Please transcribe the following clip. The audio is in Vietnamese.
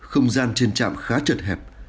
không gian trên trạm khá trật hẹp